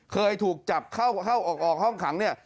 เคยถูกจับเข้าออกห้องขังเนี่ย